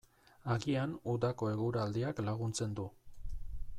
Agian udako eguraldiak laguntzen du.